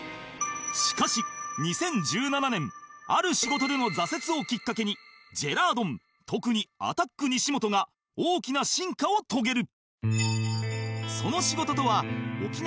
しかし２０１７年ある仕事での挫折をきっかけにジェラードン特にアタック西本が大きな進化を遂げる